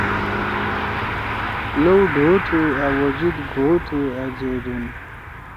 لوو ڈھو تُھو أ وجود، گھو تُھو أ جیدُون